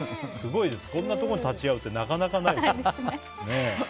すごいですねこんなところに立ち会うってなかなかないですよね。